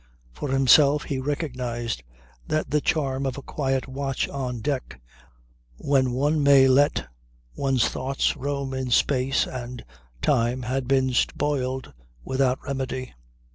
For himself, he recognized that the charm of a quiet watch on deck when one may let one's thoughts roam in space and time had been spoiled without remedy.